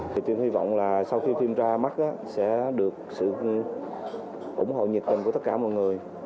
thì tôi hy vọng là sau khi phim ra mắt sẽ được sự ủng hộ nhiệt tình của tất cả mọi người